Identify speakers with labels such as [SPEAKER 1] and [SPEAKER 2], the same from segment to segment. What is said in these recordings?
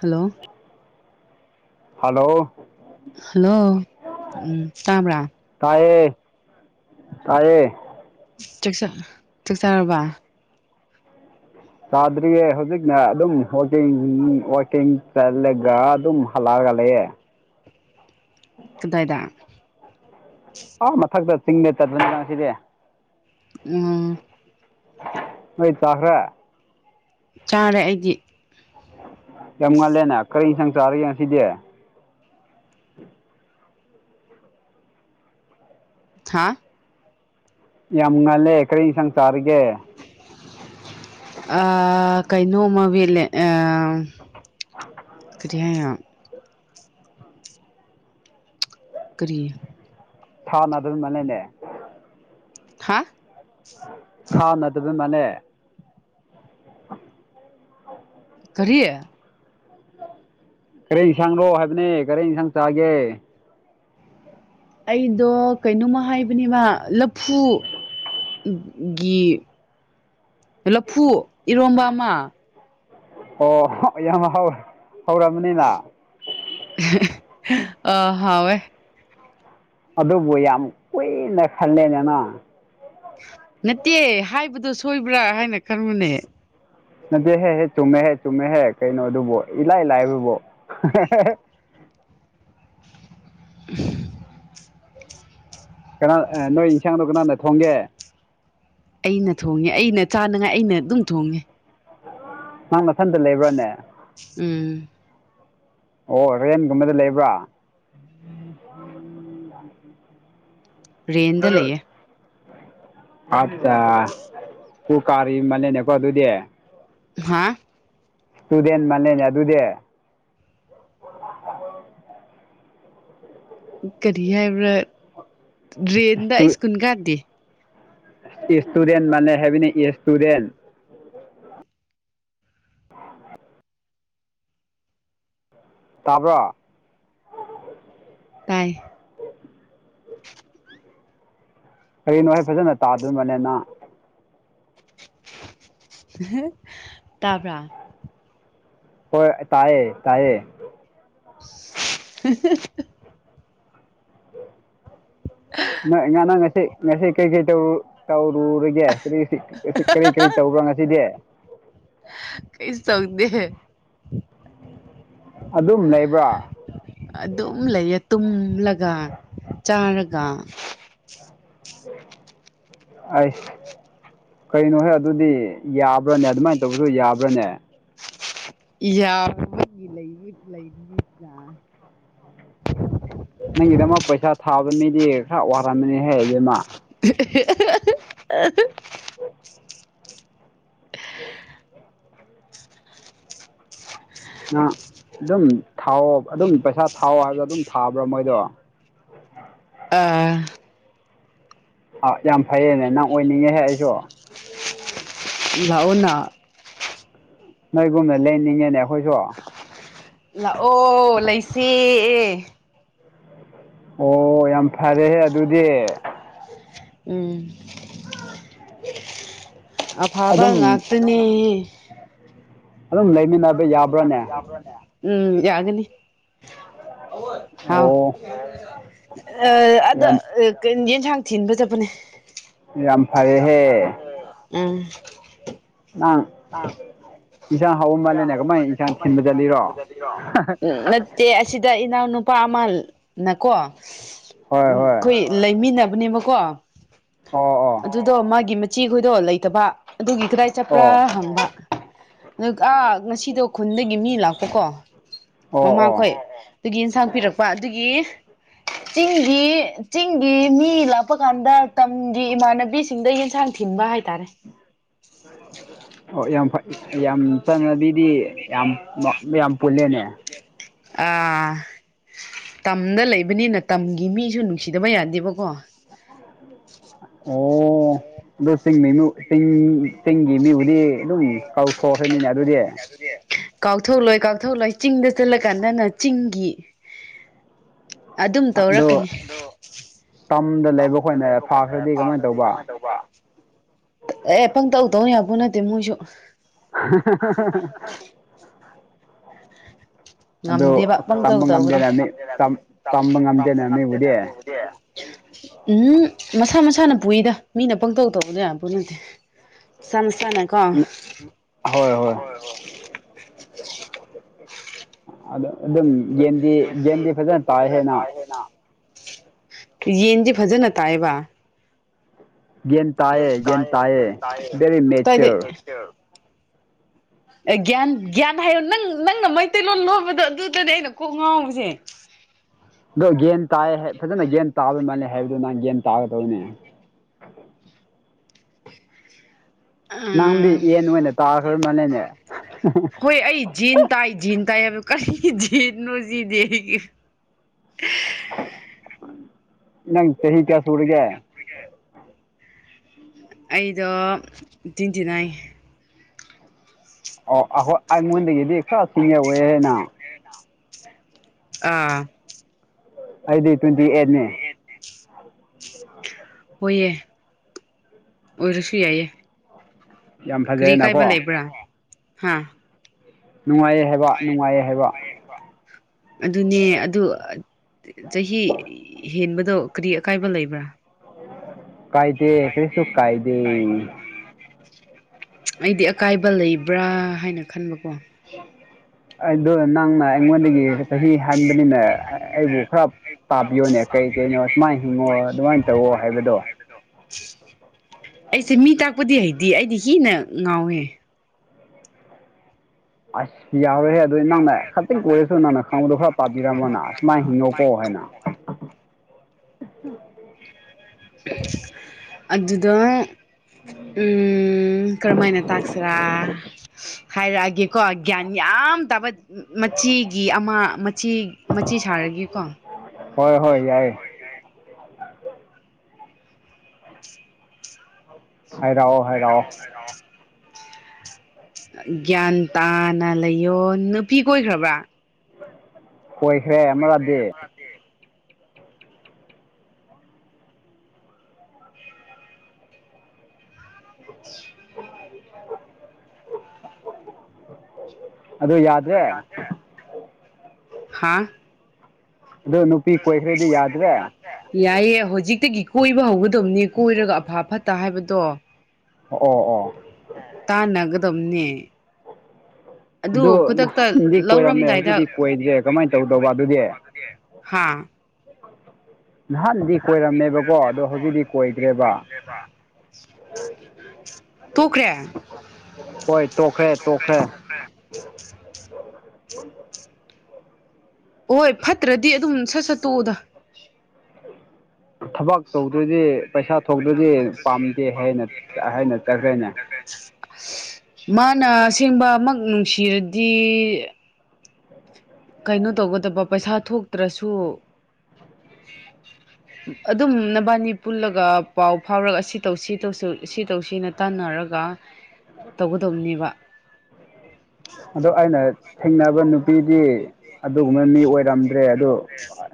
[SPEAKER 1] Hello
[SPEAKER 2] hello
[SPEAKER 1] hello ꯎꯝ ꯇꯥꯕ꯭ꯔꯥ
[SPEAKER 2] ꯇꯥꯢꯌꯦ ꯇꯥꯢꯌꯦ
[SPEAKER 1] ꯆꯛꯆꯥ ꯆꯛꯆꯥꯔꯕ
[SPEAKER 2] ꯆꯥꯗ꯭ꯔꯤꯌꯦ ꯍꯧꯖꯤꯛꯅ ꯑꯗꯨꯝ ꯋꯥꯀꯤꯡ ꯋꯥꯀꯤꯡ ꯆꯠꯂꯒ ꯑꯗꯨꯝ ꯍꯜꯂꯛꯑꯒ ꯂꯩꯌꯦ
[SPEAKER 1] ꯀꯗꯥꯢꯗ
[SPEAKER 2] ꯑꯥ ꯃꯊꯛꯇ ꯆꯤꯡꯗ ꯆꯠꯄꯅꯤ ꯉꯁꯤꯗꯤ
[SPEAKER 1] ꯎꯝ
[SPEAKER 2] ꯍꯣꯏ ꯆꯥꯈ꯭ꯔꯦ
[SPEAKER 1] ꯆꯥꯔꯦ ꯑꯩꯗꯤ
[SPEAKER 2] ꯌꯥꯝ ꯉꯜꯂꯦꯅꯦ ꯀꯔꯤ ꯏꯟꯁꯥꯡ ꯆꯥꯔꯒꯦ ꯉꯁꯤꯗꯤ
[SPEAKER 1] ꯍꯥ
[SPEAKER 2] ꯌꯥꯝ ꯉꯜꯂꯦ ꯀꯔꯤ ꯌꯦꯟꯁꯥꯡ ꯆꯥꯔꯒꯦ
[SPEAKER 1] ꯑ ꯀꯩꯅꯣꯝꯃꯥ ꯃꯦꯠꯂꯦ ꯑ
[SPEAKER 2] [unintelligible]
[SPEAKER 1] ꯀꯔꯤ ꯍꯥꯏ ꯀꯔꯤ
[SPEAKER 2] ꯊꯥꯟꯅꯥꯔ ꯃꯥꯅꯦꯅꯦ
[SPEAKER 1] ꯍꯥ
[SPEAKER 2] [unintelligible]
[SPEAKER 1] ꯀꯔꯤ
[SPEAKER 2] ꯀꯔꯤ ꯏꯟꯁꯥꯡꯅꯣ ꯍꯥꯏꯕꯅꯦ ꯀꯔꯤ ꯏꯟꯁꯥꯡ ꯆꯥꯒꯦ
[SPEAKER 1] ꯑꯩꯗꯣ ꯀꯩꯅꯣꯃ ꯍꯥꯏꯕꯅꯦꯕ ꯂꯐꯨ ꯒꯤ ꯂꯐꯨ ꯏꯔꯣꯝꯕ ꯑꯃ
[SPEAKER 2] ꯑꯣ ꯌꯥꯝ ꯍꯧꯔꯝ ꯃꯅꯤꯅ
[SPEAKER 1] ꯑ ꯍꯥꯎꯌꯦ
[SPEAKER 2] ꯑꯗꯨꯕꯨ ꯌꯥꯝ ꯀꯨꯏꯅ ꯈꯜꯂꯦꯗꯅ
[SPEAKER 1] ꯅꯠꯇꯦ ꯍꯥꯏꯕꯗꯨ ꯁꯣꯏꯕ꯭ꯔꯥ ꯍꯥꯏꯅ ꯈꯟꯕꯅꯦ
[SPEAKER 2] ꯅꯠꯇꯦꯍꯦ ꯍꯦ ꯆꯨꯝꯃꯦꯍꯦ ꯆꯨꯝꯃꯦꯍꯦ ꯀꯩꯅꯣ ꯑꯗꯨꯕꯣ ꯏꯂꯥꯏ ꯂꯥꯏꯕꯕꯣ
[SPEAKER 1] [unintelligible]
[SPEAKER 2] ꯀꯅꯥ ꯅꯣꯏ ꯌꯦꯟꯁꯥꯡꯗꯣ ꯀꯅꯥꯗ ꯊꯣꯡꯒꯦ
[SPEAKER 1] ꯑꯩꯅ ꯊꯣꯡꯉꯦ ꯑꯩꯅ ꯆꯥꯅꯉꯥꯏ ꯑꯩꯅ ꯑꯗꯨꯝ ꯊꯣꯡꯉꯦ
[SPEAKER 2] ꯅꯪ ꯅꯊꯟꯗ ꯂꯩꯕ꯭ꯔꯥꯅꯦ
[SPEAKER 1] ꯎꯝ
[SPEAKER 2] ꯑꯣ ꯔꯦꯟ ꯒꯨꯝꯕꯗ ꯂꯩꯕ꯭ꯔꯥ
[SPEAKER 1] ꯔꯦꯟꯗ ꯂꯩꯌꯦ
[SPEAKER 2] [unintelligible] ꯑꯠꯆꯥ ꯀꯥꯔꯤ ꯑꯃꯅꯦꯅꯦꯀꯣ ꯑꯗꯨꯗꯤ
[SPEAKER 1] ꯍꯥꯥ
[SPEAKER 2] ꯇꯨꯗꯦꯟ ꯃꯅꯦꯅ ꯑꯗꯨꯗꯤ
[SPEAKER 1] ꯀꯔꯤ ꯍꯥꯏꯕ꯭ꯔꯥ ꯗ꯭ꯔꯦꯟꯗ ꯑꯩ ꯁ꯭ꯀꯨꯟ ꯀꯥꯗꯦ
[SPEAKER 2] ꯏꯁꯇꯨꯗꯦꯟ ꯃꯥꯟꯂꯦ ꯍꯥꯏꯕꯅꯦ ꯏꯁꯇꯨꯗꯦꯟ꯫ ꯇꯥꯕ꯭ꯔꯥ꯫
[SPEAKER 1] ꯇꯥꯏ꯫
[SPEAKER 2] ꯀꯔꯤꯅꯣ ꯍꯦ ꯐꯖꯅ ꯇꯥꯗꯕꯅꯦꯅ꯫
[SPEAKER 1] ꯇꯕꯔꯥ꯫
[SPEAKER 2] ꯍꯣꯏ ꯇꯥꯏꯌꯦ ꯇꯥꯏꯌꯦ꯫
[SPEAKER 1] [unintelligible]
[SPEAKER 2] ꯅꯣꯏ ꯉꯅ ꯉꯁꯩ ꯉꯁꯩ ꯀꯩ ꯀꯩ ꯇꯧꯔꯨ ꯇꯧꯔꯨꯔꯒꯦ ꯀꯔꯤ ꯀꯔꯤ ꯇꯧꯕ꯭ꯔꯥ ꯉꯁꯤꯗꯤ꯫
[SPEAKER 1] ꯀꯩꯁꯨ ꯇꯧꯗꯦ꯫
[SPEAKER 2] ꯑꯗꯨꯝ ꯂꯩꯕ꯭ꯔꯥ꯫
[SPEAKER 1] ꯑꯗꯨꯝ ꯂꯩꯌꯦ ꯇꯨꯝꯂꯒ ꯆꯥꯔꯒ꯫
[SPEAKER 2] ꯑꯩꯁ꯫ ꯀꯩꯅꯣꯍꯦ ꯑꯗꯨꯗꯤ ꯌꯥꯕ꯭ꯔꯅꯦ ꯑꯗꯨꯃꯥꯏꯅ ꯇꯧꯕꯁꯨ ꯌꯥꯕ꯭ꯔꯅꯦ꯫
[SPEAKER 1] ꯌꯥ [inaudible]
[SPEAKER 2] ꯅꯪꯒꯤꯗꯃꯛ ꯄꯩꯁꯥ ꯊꯥꯕ ꯃꯤꯗꯤ ꯈꯔ ꯋꯥꯔꯝꯃꯅꯤ ꯍꯦ ꯏꯕꯦꯝ꯫
[SPEAKER 1] [unintelligible]
[SPEAKER 2] [inaudible] ꯑꯗꯨꯝ ꯊꯥꯎ ꯑꯗꯨꯝ ꯄꯩꯁꯥ ꯊꯥꯎꯑꯣ ꯍꯥꯏꯕꯗ ꯑꯗꯨꯝ ꯊꯥꯕ꯭ꯔꯥ ꯃꯣꯏꯗꯣ꯫
[SPEAKER 1] ꯑꯥ꯫
[SPEAKER 2] ꯑꯥ ꯌꯥꯝ ꯐꯩꯌꯦꯅꯦ ꯅꯪ ꯑꯣꯏꯅꯤꯡꯉꯦꯍꯦ ꯑꯩꯁꯨ꯫
[SPEAKER 1] ꯂꯥꯛꯑꯣꯅ꯫
[SPEAKER 2] ꯅꯣꯏꯒꯨꯝꯅ ꯂꯩꯅꯤꯡꯉꯦꯅꯦ ꯑꯩꯈꯣꯏꯁꯨ꯫
[SPEAKER 1] ꯂꯥꯛꯑꯣ ꯂꯩꯁꯤꯏ꯫
[SPEAKER 2] ꯑꯣ ꯌꯥꯝ ꯐꯔꯦꯍꯦ ꯑꯗꯨꯗꯤ꯫
[SPEAKER 1] ꯎꯝ꯫ ꯑꯐꯕ ꯉꯥꯛꯇꯅꯤ꯫
[SPEAKER 2] ꯑꯗꯨ ꯂꯩꯏ
[SPEAKER 1] ꯎꯝ ꯌꯥꯒꯅꯤ꯫ ꯑꯋꯨꯟ ꯍꯥꯎ
[SPEAKER 2] ꯑꯣ
[SPEAKER 1] ꯑꯗ꯫
[SPEAKER 2] ꯌꯥꯝ
[SPEAKER 1] ꯌꯦꯟꯁꯥꯡ ꯊꯤꯟꯕ ꯆꯠꯄꯅꯦ꯫
[SPEAKER 2] ꯌꯥꯝ ꯌꯥꯝꯝ ꯐꯔꯦꯍꯦ꯫
[SPEAKER 1] ꯎꯝ꯫
[SPEAKER 2] ꯅꯪ ꯏꯟꯁꯥꯡ ꯍꯧꯑ ꯃꯥꯜꯂꯦꯅꯦ ꯀꯃꯥꯏ ꯏꯟꯁꯥꯡ ꯊꯤꯟꯕ ꯆꯠꯂꯤꯔꯣ꯫
[SPEAKER 1] ꯇꯦ ꯑꯁꯤꯗ ꯏꯅꯥꯎꯅꯨꯄꯥ ꯑꯃꯅꯀꯣ ꯎꯝ
[SPEAKER 2] ꯍꯣꯏ ꯍꯣꯏ
[SPEAKER 1] ꯑꯩꯈꯣꯏ ꯂꯩꯃꯤꯟꯅꯕꯅꯦꯕꯀꯣ
[SPEAKER 2] ꯑꯣ ꯑꯣ
[SPEAKER 1] ꯑꯗꯨꯗꯣ ꯃꯥꯒꯤ ꯆꯦ ꯈꯣꯏꯗꯣ ꯂꯩꯇꯕ ꯑꯗꯨꯒꯤ ꯀꯗꯥꯏ
[SPEAKER 2] ꯑꯣ
[SPEAKER 1] ꯆꯠꯄ꯭ꯔꯥ ꯍꯪꯕ꯫ ꯑ ꯑꯥ ꯉꯁꯤꯗꯣ ꯈꯨꯟꯗꯒꯤ ꯃꯤ ꯂꯥꯛꯄꯀꯣ
[SPEAKER 2] ꯑꯣ ꯑꯣ
[SPEAKER 1] ꯃꯃꯥꯈꯣꯏ ꯑꯗꯨꯒꯤ ꯑꯦꯟꯁꯥꯡ ꯄꯤꯔꯛꯄ ꯑꯗꯨꯒꯤ ꯆꯤꯡꯒꯤ ꯆꯤꯡꯒꯤ ꯃꯤ ꯂꯛ ꯂꯥꯛꯄ ꯀꯥꯟꯗ ꯇꯝꯒꯤ ꯏꯃꯥꯟꯅꯕꯤꯁꯤꯡꯗ ꯌꯦꯟꯁꯥꯡ ꯊꯤꯟꯕ ꯍꯥꯏꯇꯥꯔꯦ꯫
[SPEAKER 2] ꯑꯣ ꯌꯥꯝ ꯐꯩ ꯌꯥꯝ ꯆꯠꯅꯕꯤꯗꯤ ꯌꯥꯝ ꯌꯥꯝ ꯄꯨꯜꯂꯦꯅꯦ꯫
[SPEAKER 1] ꯑꯥ꯫ ꯇꯝꯗ ꯂꯩꯕꯅꯤꯅ ꯇꯝꯒꯤ ꯃꯤꯁꯨ ꯅꯨꯡꯁꯤꯗꯕ ꯌꯥꯗꯦꯕꯀꯣ꯫
[SPEAKER 2] ꯑꯣ ꯑꯗꯨ ꯆꯤꯡ ꯃꯤ ꯆꯤꯡ ꯆꯤꯡꯒꯤ ꯃꯤꯕꯨꯗꯤ ꯑꯗꯨꯝ ꯀꯥꯎꯊꯣꯛꯈ꯭ꯔꯅꯤꯅꯦ ꯑꯗꯨꯗꯤ꯫
[SPEAKER 1] ꯀꯥꯎꯊꯣꯛꯂꯣꯏ ꯀꯥꯎꯊꯣꯛꯂꯣꯏ ꯆꯤꯡꯗ ꯆꯠꯂ ꯀꯥꯟꯗꯅ ꯆꯤꯡꯒꯤ꯫ ꯑꯗꯨꯝ ꯇꯧꯔꯛꯀꯅꯤ꯫
[SPEAKER 2] ꯑꯗꯣ ꯇꯝꯗ ꯂꯩꯕ ꯑꯩꯈꯣꯏꯅ ꯐꯥꯈ꯭ꯔꯗꯤ ꯀꯃꯥꯏꯅ ꯇꯧꯕ꯫
[SPEAKER 1] ꯀꯃꯥꯏꯅ ꯇꯧꯕ꯫ ꯑꯦ ꯄꯪꯇꯧ ꯇꯧ ꯌꯥꯕ ꯅꯠꯇꯦ ꯃꯣꯏꯁꯨ
[SPEAKER 2] [unintelligible] ꯑꯗꯨ
[SPEAKER 1] ꯉꯝꯗꯦꯕ ꯄꯪꯇꯧ
[SPEAKER 2] ꯇꯝꯕ
[SPEAKER 1] ꯇꯧꯕꯗꯤ
[SPEAKER 2] ꯉꯝꯗꯦꯅ ꯃꯤ ꯇꯝꯕ ꯉꯝꯗꯦꯅ ꯃꯤꯕꯨꯗꯤ
[SPEAKER 1] [inaudible] ꯎꯝ ꯃꯁꯥ ꯃꯁꯥꯅ ꯄꯨꯏꯗ ꯃꯤꯅ ꯄꯪꯇꯧ ꯇꯧꯕꯗꯤ ꯌꯥ ꯄꯣꯠ ꯅꯠꯇꯦ ꯃꯁꯥ ꯃꯁꯥꯅꯀꯣ
[SPEAKER 2] ꯎꯝ ꯍꯣꯏ ꯍꯣꯏ ꯑ ꯑꯗꯨꯝ ꯌꯦꯟꯗꯤ ꯌꯦꯟꯗꯤ ꯐꯖꯅ ꯇꯥꯏ ꯍꯥꯢꯅ
[SPEAKER 1] ꯌꯦꯟꯗꯤ ꯐꯖꯅ ꯇꯥꯢꯕ ꯌꯦꯟ ꯇꯥꯏꯌꯦ ꯌꯦꯟ ꯇꯌꯦ
[SPEAKER 2] ꯕꯦꯔꯤ
[SPEAKER 1] ꯇ [inaudible]
[SPEAKER 2] ꯃꯦꯆꯣꯔ
[SPEAKER 1] ꯑꯦ ꯒ꯭ꯌꯥꯟ ꯒ꯭ꯌꯥꯟ ꯍꯥꯏꯌꯣ ꯅꯪ ꯅꯪꯅ ꯃꯩꯇꯩꯂꯣꯟ ꯂꯣꯟꯕꯗꯣ ꯑꯗꯨꯗꯅꯦ ꯑꯩꯅ ꯀꯣꯛ ꯉꯥꯎꯕꯁꯦ
[SPEAKER 2] ꯑꯗꯣ ꯒꯦꯟ ꯇꯥꯏꯌꯦ ꯐꯖꯅ ꯒꯦꯟ ꯇꯥꯕ ꯃꯥꯜꯂꯦ ꯍꯥꯏꯕꯗꯣ ꯅꯪ ꯒꯦꯟ ꯇꯥꯒꯗꯧꯕꯅꯦ ꯅꯪꯗꯤ
[SPEAKER 1] ꯎꯝ
[SPEAKER 2] ꯌꯦꯟ ꯑꯣꯏꯅ ꯇꯥꯈ꯭ꯔ ꯃꯥꯜꯂꯦꯅꯦ
[SPEAKER 1] ꯍꯣꯏ ꯑꯩ ꯖꯦꯟ ꯇꯥꯏ ꯖꯦꯟ ꯇꯥꯏ ꯍꯥꯏꯕꯗꯣ ꯀꯔꯤ ꯖꯦꯟꯅꯣ ꯁꯤꯅꯦ ꯑꯩ ꯑ [inaudible]
[SPEAKER 2] ꯅꯪ ꯆꯍꯤ ꯀꯌꯥ ꯁꯨꯔꯒꯦ
[SPEAKER 1] ꯑꯩꯗꯣ ꯇ꯭ꯋꯦꯟꯇꯤ ꯅꯥꯏꯟ
[SPEAKER 2] ꯑꯣ ꯍꯣꯏ ꯑꯩꯉꯣꯟꯗꯒꯤꯗꯤ ꯁꯤꯉ ꯑꯣꯏ [inaudible]
[SPEAKER 1] ꯑꯥ
[SPEAKER 2] ꯑꯩꯗꯤ ꯇ꯭ꯋꯦꯟꯇꯤ ꯑꯦꯠꯅꯦ
[SPEAKER 1] ꯍꯣꯏꯌꯦ ꯑꯣꯏꯔꯁꯨ ꯌꯥꯏꯌꯦ
[SPEAKER 2] ꯌꯥꯝ
[SPEAKER 1] ꯀꯔꯤ ꯀꯥꯏꯕ
[SPEAKER 2] ꯐꯖꯩꯌꯦꯅꯀꯣ
[SPEAKER 1] ꯂꯩꯕ꯭ꯔꯥ ꯍꯥ
[SPEAKER 2] ꯅꯨꯡꯉꯥꯏꯌꯦ ꯍꯥꯏꯕ ꯅꯨꯡꯉꯥꯏꯌꯦ ꯍꯥꯏꯕ
[SPEAKER 1] ꯑꯗꯨꯅꯦ ꯑꯗꯨ ꯆꯍꯤ ꯍꯦꯟꯕꯗꯣ ꯀꯔꯤ ꯑꯀꯥꯏꯕ ꯂꯩꯕ꯭ꯔꯥ
[SPEAKER 2] ꯀꯥꯏꯗꯦ ꯀꯔꯤꯁꯨ ꯀꯥꯏꯗꯦ
[SPEAKER 1] ꯑꯩꯗꯤ ꯑꯀꯥꯏꯕ ꯂꯩꯕ꯭ꯔꯥ ꯍꯥꯏꯅ ꯈꯟꯕꯀꯣ
[SPEAKER 2] ꯑ [inaudible] ꯑꯗꯣ ꯅꯪꯅ ꯑꯩꯉꯣꯟꯗꯒꯤ ꯆꯍꯤ ꯍꯟꯕꯅꯤꯅ ꯑꯩꯕꯨ ꯈꯔ ꯇꯥꯕꯤꯌꯣꯅꯦ ꯀꯩ ꯀꯩꯅꯣ ꯁꯨꯃꯥꯏꯅ ꯍꯤꯡꯉꯣ ꯑꯗꯨꯃꯥꯏꯅ ꯇꯧꯋꯣ ꯍꯥꯏꯕꯗꯣ
[SPEAKER 1] ꯑꯩꯁꯦ ꯃꯤ ꯇꯥꯛꯄꯗꯤ ꯍꯩꯇꯤꯌꯦ ꯑꯩꯗꯤ ꯍꯤꯅ ꯉꯥꯎꯋꯦ
[SPEAKER 2] ꯑꯁ ꯌꯥꯔꯣꯢꯍꯦ ꯑꯗꯣ ꯅꯪꯅ ꯈꯛꯇꯪ ꯑꯣꯏꯔꯁꯨ ꯅꯪꯅ ꯈꯪꯕꯗꯣ ꯈꯔ ꯄꯥꯕꯤꯔꯝꯃꯣꯅ ꯁꯨꯃꯥꯏꯅ ꯍꯤꯡꯉꯣꯀꯣ ꯍꯥꯏꯅ
[SPEAKER 1] ꯑꯗꯨꯗ [inaudible] ꯎꯝ ꯀꯔꯝꯃꯥꯏꯅ ꯇꯥꯛꯁꯤꯔꯥ ꯍꯥꯏꯔꯛꯑꯒꯦꯀꯣ ꯒ꯭ꯌꯥꯟ ꯌꯥꯝꯅ ꯇꯥꯕ ꯃꯆꯦꯒꯤ ꯑꯃ ꯃꯆꯦ ꯃꯆꯦ ꯁꯥꯔꯒꯦꯀꯣ
[SPEAKER 2] ꯍꯣꯏ ꯍꯣꯏ ꯌꯥꯏ ꯍꯥꯏꯔꯛꯑꯣ ꯍꯥꯏꯔꯛꯑꯣ
[SPEAKER 1] ꯍꯥꯏꯔꯥꯎꯣ ꯍꯥꯏꯔꯥꯎꯣ [inaudible] ꯒ꯭ꯌꯥꯟ ꯇꯥꯅ ꯂꯩꯌꯣ ꯅꯨꯄꯤ ꯀꯣꯏꯈ꯭ꯔꯕ꯭ꯔꯥ
[SPEAKER 2] ꯀꯣꯏꯈ꯭ꯔꯦ ꯑꯃꯔꯗꯤ
[SPEAKER 1] ꯗꯦ [inaudible] [inaudible] ꯑꯗꯨ ꯌꯥꯗꯦ ꯍꯥ
[SPEAKER 2] ꯑꯗꯣ ꯅꯨꯄꯤ ꯀꯣꯏꯈ꯭ꯔꯗꯤ ꯌꯥꯗ꯭ꯔꯦ
[SPEAKER 1] ꯌꯥꯏꯌꯦ ꯍꯧꯖꯤꯛꯇꯒꯤ ꯀꯣꯏꯕ ꯍꯧꯒꯗꯧꯅꯦ ꯀꯣꯏꯔꯒ ꯑꯐ ꯐꯠꯇ ꯍꯥꯏꯕꯗꯣ
[SPEAKER 2] ꯑꯣ ꯑꯣ
[SPEAKER 1] ꯇꯥꯟꯅꯒꯗꯕꯅꯦ ꯑꯗꯣ
[SPEAKER 2] ꯑꯗꯨ
[SPEAKER 1] ꯈꯨꯗꯛꯇ
[SPEAKER 2] ꯅꯍꯥꯟꯗꯤ ꯀꯣꯏꯔꯝꯃꯦ
[SPEAKER 1] ꯂꯧꯔꯝꯗꯥꯏꯗ
[SPEAKER 2] ꯍꯧꯖꯤꯛꯇꯤ ꯀꯣꯏꯗ꯭ꯔꯦ ꯀꯃꯥꯏꯅ ꯇꯧꯗꯧꯕ ꯑꯗꯨꯗꯤ
[SPEAKER 1] ꯍꯥꯥ
[SPEAKER 2] [unintelligible]
[SPEAKER 1] ꯅꯍꯥꯟꯗꯤ ꯀꯣꯏꯔꯝꯃꯦꯕꯀꯣ ꯑꯗꯣ ꯍꯧꯖꯤꯛꯇꯤ ꯀꯣꯏꯗ꯭ꯔꯦꯕ ꯇꯣꯈ꯭ꯔꯦ
[SPEAKER 2] ꯍꯣꯏ ꯇꯣꯛꯈ꯭ꯔꯦ ꯇꯣꯛꯈ꯭ꯔꯦ
[SPEAKER 1] ꯍꯣꯏ ꯐꯠꯇ꯭ꯔꯗꯤ ꯑꯗꯨꯝ ꯁꯠ ꯁꯠ ꯇꯣꯛꯑꯣꯗ
[SPEAKER 2] ꯊꯕꯛ ꯇꯧꯗ꯭ꯔꯗꯤ ꯄꯩꯁꯥ ꯊꯣꯛꯇ꯭ꯔꯗꯤ ꯄꯥꯝꯗꯦ ꯍꯥꯏꯅ ꯍꯥꯏꯅ ꯆꯠꯈ꯭ꯔꯦꯅꯦ
[SPEAKER 1] ꯃꯥꯅ ꯑꯁꯦꯡꯕ ꯃꯛ ꯅꯨꯡꯁꯤꯔꯗꯤ ꯀꯩꯅꯣ ꯇꯧꯒꯗꯕ ꯄꯩꯁꯥ ꯊꯣꯛꯇ꯭ꯔꯁꯨ ꯑꯗꯨꯝ ꯅꯕꯥꯅꯤ ꯄꯨꯜꯂꯒ ꯄꯥꯎ ꯐꯥꯎꯔꯒ ꯁꯤ ꯇꯧ ꯁꯤ ꯇꯧꯁꯤ ꯁꯤ ꯇꯧꯁꯤ ꯅ ꯇꯥꯟꯅꯔꯒ ꯇꯧꯒꯗꯕꯅꯦꯕ
[SPEAKER 2] ꯑꯗꯣ ꯑꯩꯅ ꯊꯦꯡꯅꯕ ꯅꯨꯄꯤꯗꯤ ꯑꯗꯨꯒꯨꯝꯕ ꯃꯤ ꯑꯣꯏꯔꯝꯗ꯭ꯔꯦ ꯑꯗꯣ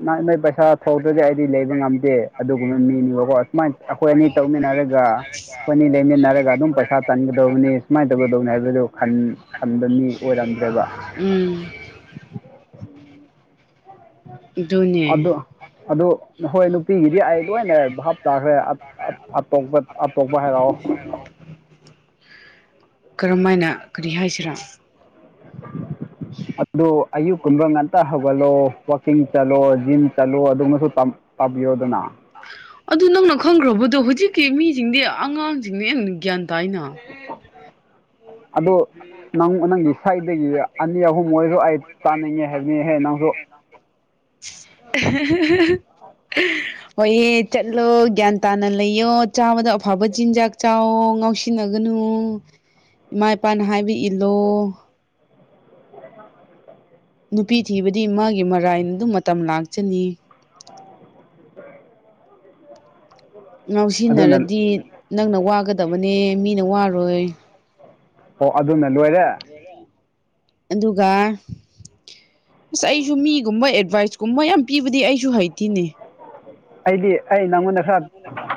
[SPEAKER 2] ꯅ ꯅꯣꯏ ꯄꯩꯁꯥ ꯊꯣꯛꯇ꯭ꯔꯗꯤ ꯑꯩꯗꯤ ꯂꯩꯕ ꯉꯝꯗꯦ ꯑꯗꯨꯒꯨꯝꯕ ꯃꯤꯅꯤꯕꯀꯣ ꯑꯁꯨꯃꯥꯏꯅ ꯑꯩꯈꯣꯏ ꯑꯅꯤ ꯇꯧꯃꯤꯟꯅꯔꯒ ꯑꯩꯈꯣꯏ ꯑꯅꯤ ꯂꯩꯃꯤꯟꯅꯔꯒ ꯑꯗꯨꯝ ꯄꯩꯁꯥ ꯇꯟꯒꯗꯕꯅꯤ ꯁꯨꯃꯥꯏꯅ ꯇꯧꯒꯗꯧꯅꯤ ꯍꯥꯏꯕꯗꯨ ꯈꯟ ꯈꯟꯗ
[SPEAKER 1] ꯎꯝ ꯑꯗꯨꯅꯦ
[SPEAKER 2] ꯑꯗꯨ ꯑꯗꯨ ꯍꯣꯏ ꯅꯨꯄꯤꯒꯤꯗꯤ ꯑꯩ ꯂꯣꯏꯅ ꯚꯥꯞ ꯇꯥꯈ꯭ꯔꯦ ꯑꯇꯣꯞꯄ ꯑꯇꯣꯞꯄ ꯍꯥꯏꯔꯛꯑꯣ
[SPEAKER 1] ꯀꯔꯝ ꯍꯥꯏꯅ ꯀꯔꯤ ꯍꯥꯏꯁꯤꯔꯥ
[SPEAKER 2] ꯑꯗꯨ ꯑꯌꯨꯛ ꯀꯨꯝꯕ ꯉꯟ ꯑꯝꯠꯇ ꯍꯧꯒꯠꯂꯣ ꯋꯥꯛꯀꯤꯡ ꯆꯠꯂꯣ ꯖꯤꯝ ꯆꯠꯂꯣ ꯑꯗꯨꯒꯃꯁꯨ ꯇꯥꯕꯤꯌꯣꯗꯅ
[SPEAKER 1] ꯑꯗꯨ ꯅꯪꯅ ꯈꯪꯈ꯭ꯔꯕꯗꯣ ꯍꯧꯖꯤꯛꯀꯤ ꯃꯤꯁꯤꯡꯗꯤ ꯑꯉꯥꯡꯁꯤꯡꯅ ꯍꯦꯟꯅ ꯒ꯭ꯌꯥꯟ ꯇꯥꯏꯅ
[SPEAKER 2] ꯑꯗꯣ ꯅꯪ ꯅꯪꯒꯤ ꯁꯥꯏꯗꯒꯤ ꯑꯅꯤ ꯑꯍꯨꯝ ꯑꯣꯏꯔꯣ ꯑꯩ ꯇꯥꯅꯤꯡꯉꯦ ꯍꯥꯏꯕꯅꯤꯍꯦ ꯅꯪꯁꯨ
[SPEAKER 1] [unintelligible] ꯍꯣꯏꯌꯦ ꯆꯠꯂꯣ ꯒ꯭ꯌꯥꯟ ꯇꯥꯅ ꯂꯩꯌꯣ ꯆꯥꯕꯗ ꯑꯐꯕ ꯆꯤꯟꯖꯥꯛ ꯆꯥꯋꯣ ꯉꯥꯎꯁꯤꯟ ꯁꯤꯟꯅꯒꯅꯨ ꯏꯃꯥ ꯏꯄꯥꯅ ꯍꯥꯏꯕ ꯏꯜꯂꯣ
[SPEAKER 2] [unintelligible]
[SPEAKER 1] ꯅꯨꯄꯤ ꯊꯤꯕꯗꯤ ꯃꯥꯒꯤ ꯃꯔꯥꯏꯅ ꯑꯗꯨꯝ ꯃꯇꯝ ꯂꯥꯛꯆꯅꯤ
[SPEAKER 2] ꯑꯗꯨꯅ
[SPEAKER 1] ꯉꯥꯎꯁꯤꯟꯅꯔꯗꯤ ꯅꯪꯅ ꯋꯥꯒꯗꯕꯅꯦ ꯃꯤꯅ ꯋꯥꯔꯣꯏ
[SPEAKER 2] ꯑꯣ ꯑꯗꯨꯅ ꯂꯣꯏꯔꯦ
[SPEAKER 1] ꯑꯗꯨꯒ ꯑꯁ ꯑꯩꯁꯨ ꯃꯤꯒꯨꯝꯕ ꯑꯦꯗꯚꯥꯏꯁꯀꯨꯝꯕ ꯌꯥꯝ ꯄꯤꯕꯗꯤ ꯑꯩꯁꯨ ꯍꯩꯇꯦꯅꯦ
[SPEAKER 2] ꯑꯩꯗꯤ ꯑꯩ ꯅꯪꯉꯣꯟꯗ ꯈꯔ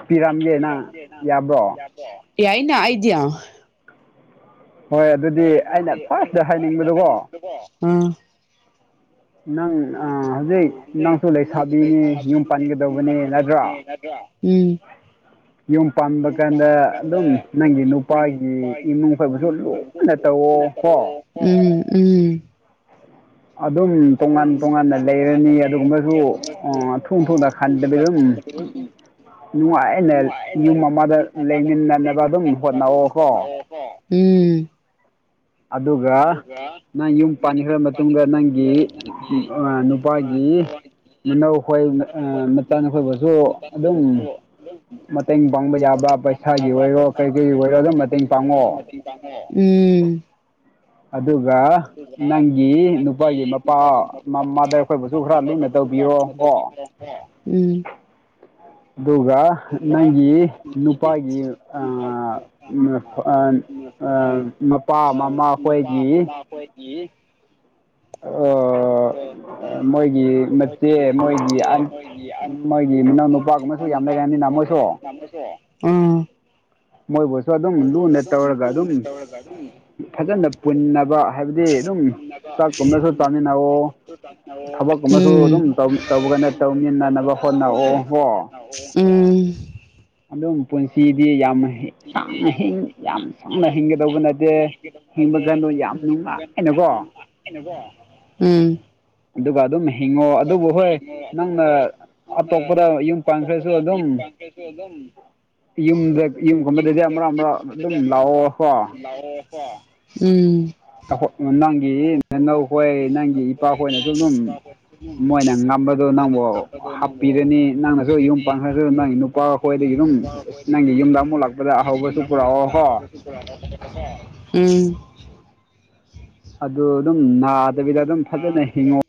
[SPEAKER 2] ꯄꯤꯔꯝꯒꯦꯅ ꯌꯥꯕ꯭ꯔꯣ
[SPEAKER 1] ꯌꯥꯏꯅ ꯑꯩꯗꯤ
[SPEAKER 2] ꯍꯣꯏ ꯑꯗꯨꯗꯤ ꯑꯩꯅ ꯐꯥꯔꯁꯇ ꯍꯥꯏꯅꯤꯡꯕꯗꯀꯣ
[SPEAKER 1] [unintelligible]
[SPEAKER 2] ꯅꯪ ꯍꯧꯖꯤꯛ ꯅꯪꯁꯨ ꯂꯩꯁꯥꯕꯤꯅꯤ ꯌꯨꯝ ꯄꯥꯟꯒꯗꯧꯕꯅꯦ ꯅꯠꯇ꯭ꯔꯥ
[SPEAKER 1] ꯎꯝ
[SPEAKER 2] ꯌꯨꯝ ꯄꯥꯟꯕꯥ ꯀꯥꯟꯗ ꯑꯗꯨꯝ ꯅꯪꯒꯤ ꯅꯨꯄꯥꯒꯤ ꯏꯃꯨꯡ ꯈꯣꯏꯕꯨꯁꯨ ꯂꯨꯅ ꯇꯧꯑꯣ ꯀꯣ
[SPEAKER 1] ꯎꯝ ꯎꯝ
[SPEAKER 2] ꯑꯗꯨꯝ ꯇꯣꯉꯥꯟ ꯇꯣꯉꯥꯟꯅ ꯂꯩꯔꯅꯤ ꯑꯗꯨꯒꯨꯝꯕꯁꯨ ꯊꯨ ꯊꯨꯅ ꯈꯟꯕꯅꯤ ꯑꯗꯨꯝ ꯅꯨꯉꯥꯏ ꯑꯦꯅꯦ ꯌꯨꯝ ꯑꯃꯥ ꯑꯗ ꯂꯩꯃꯤꯟꯅꯅꯕ ꯑꯗꯨꯝ ꯍꯣꯠꯅꯧꯑꯣꯀꯣ
[SPEAKER 1] ꯎꯝ
[SPEAKER 2] ꯑꯗꯨꯒ ꯅꯪ ꯌꯨꯝ ꯄꯥꯟꯈ꯭ꯔ ꯃꯇꯨꯡꯗ ꯅꯪꯒꯤ ꯅꯨꯄꯥꯒꯤ [unintelligible] ꯃꯇꯦꯡ ꯄꯥꯡꯕ ꯌꯥꯕ ꯄꯩꯁꯥꯒꯤ ꯑꯣꯏꯔꯣ ꯀꯩ ꯀꯩ ꯑꯣꯏꯔꯣ ꯑꯗꯨꯝ ꯃꯇꯦꯡ ꯄꯥꯡꯑꯣ
[SPEAKER 1] ꯎꯝ
[SPEAKER 2] ꯑꯗꯨꯒ ꯅꯪꯒꯤ ꯅꯨꯄꯥꯒꯤ ꯃꯄꯥ ꯃꯃꯥꯗ ꯑꯩꯈꯣꯏꯕꯨꯁꯨ ꯈꯔ ꯂꯨꯅ ꯇꯧꯕꯤꯔꯣ ꯀꯣ
[SPEAKER 1] ꯎꯝ
[SPEAKER 2] ꯑꯗꯨꯒ ꯅꯪꯒꯤ ꯅꯨꯄꯥꯒꯤ [unintelligible] ꯃꯄꯥ ꯃꯃꯥ ꯍꫭꯏꯒꯤ
[SPEAKER 1] ꯃꯈꫭꯏꯒꯤ
[SPEAKER 2] ꯑꯥ
[SPEAKER 1] ꯎꯝ
[SPEAKER 2] ꯃꯣꯏꯒꯤ ꯃꯆꯦ ꯃꯣꯏꯒꯤ ꯃꯣꯏꯒꯤ ꯃꯤꯅꯥꯎ ꯅꯨꯄꯥꯒꯨꯝꯕꯁꯨ ꯌꯥꯝ ꯂꯩꯔꯛꯑꯅꯤꯅ ꯃꯣꯏꯁꯨ
[SPEAKER 1] ꯑꯥ
[SPEAKER 2] ꯃꯣꯏꯕꯨꯁꯨ ꯑꯗꯨꯝ ꯂꯨ ꯅ ꯇꯔꯒ ꯑꯗꯨꯝ
[SPEAKER 1] [unintelligible]
[SPEAKER 2] ꯐꯖꯅ ꯄꯨꯟꯅꯕ ꯍꯥꯏꯕꯗꯤ ꯑꯗꯨꯝ ꯆꯥꯛꯀꯨꯝꯅꯁꯨ ꯆꯥꯃꯤꯟꯅꯋ ꯊꯕꯛꯀ ꯑꯃꯁꯨ
[SPEAKER 1] ꯎꯝ
[SPEAKER 2] ꯑꯗꯨꯝ ꯇꯧꯕꯒꯅ ꯇꯧꯃꯤꯟꯅꯅꯕ ꯍꯣꯠꯅꯑꯣ ꯍꯣ
[SPEAKER 1] ꯎꯝ
[SPEAKER 2] ꯑꯗꯨꯝ ꯄꯨꯟꯁꯤꯗꯤ ꯌꯥꯝ ꯁꯥꯡꯅ ꯌꯥꯝ ꯁꯥꯡꯅ ꯍꯤꯡꯒꯗꯧꯕ ꯅꯠꯇꯦ ꯍꯤꯡꯕ ꯀꯥꯟꯗꯣ ꯌꯥꯝ ꯅꯨꯡꯉꯥꯏꯅꯀꯣ
[SPEAKER 1] ꯎꯝ
[SPEAKER 2] ꯑꯗꯨꯒ ꯑꯗꯨꯝ ꯍꯤꯡꯉꯣ ꯑꯗꯨꯕꯨ ꯍꯣꯏ
[SPEAKER 1] ꯑꯗꯨ ꯍꯣꯏ
[SPEAKER 2] ꯅꯪꯅ
[SPEAKER 1] ꯅꯪꯅ
[SPEAKER 2] ꯑꯇꯣꯞꯄꯗ ꯌꯨꯝ
[SPEAKER 1] ꯑꯇꫭꯞꯄꯗ
[SPEAKER 2] ꯄꯥꯟꯈ꯭ꯔꯁꯨ ꯑꯗꯨꯝ
[SPEAKER 1] ꯀꯩꯁꯨ ꯑꯗꯨꯝ
[SPEAKER 2] ꯌꯨꯝꯗ ꯌꯨꯝꯒꯨꯝꯕꯗꯗꯤ ꯃꯔꯛ ꯃꯔꯛ ꯑꯗꯨꯝ ꯂꯥꯛꯑꯣ ꯀꯣ
[SPEAKER 1] ꯎꯝ
[SPEAKER 2] ꯅꯪ ꯒꯤ ꯅꯅꯧꯈꯣꯏ ꯅꯪꯒꯤ ꯏꯄꯥꯈꯣꯏꯅꯁꯨ ꯑꯗꯨꯝ ꯃꯣꯏꯅ ꯉꯝꯕꯗꯣ ꯅꯪꯕꯨ ꯍꯥꯞꯄꯤꯔꯅꯤ ꯅꯪꯅꯁꯨ ꯌꯨꯝ ꯄꯥꯡꯈ꯭ꯔꯁꯨ ꯅꯪꯒꯤ ꯅꯨꯄꯥ ꯑꯩꯈꯣꯏꯗꯒꯤ ꯑꯗꯨꯝ ꯅꯪꯒꯤ ꯌꯨꯝꯗ ꯑꯃꯨꯛ ꯂꯥꯛꯄ ꯑꯍꯧꯕꯁꯨ ꯄꯨꯔꯛꯑꯣ ꯍꯣ
[SPEAKER 1] ꯎꯝ
[SPEAKER 2] ꯑꯗꯨ ꯑꯗꯨꯝ ꯅꯥꯗꯕꯤꯗ ꯑꯗꯨꯝ ꯐꯖꯅ ꯍꯤꯡꯉꯑꯣ